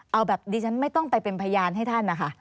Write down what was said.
เอาแบบดิฉันไม่ต้องไปเป็นพยานให้ท่านนะคะ